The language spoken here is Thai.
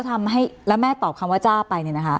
ก็เลยตอบคำว่าจ้าไปนะนะคะ